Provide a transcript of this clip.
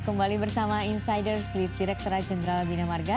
ya kembali bersama insider with direkturat jenderal bina marga